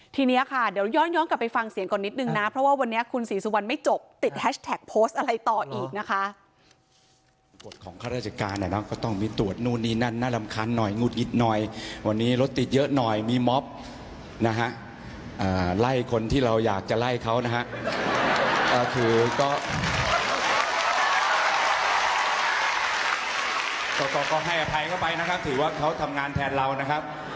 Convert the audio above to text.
ทีนี้ค่ะเดี๋ยวย้อนกลับไปฟังเสียงก่อนนิดนึงนะเพราะว่าวันนี้คุณศรีสุวรรณไม่จบติดแฮชแท็กโพสต์อะไรต่ออีกนะคะ